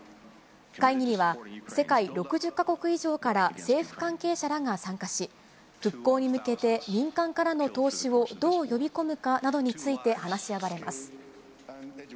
会議には、世界６０か国以上から政府関係者らが参加し、復興に向けて民間からの投資をどう呼び込むかなどについて話し合われます。